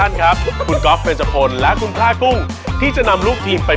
อ๋อนั่นรอลิง